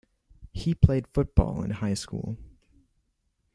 He played football in high school.